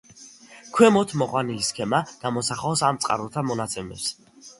ქვემოთ მოყვანილი სქემა გამოსახავს ამ წყაროთა მონაცემებს.